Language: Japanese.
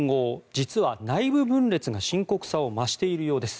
実は内部分裂が深刻さを増しているようです。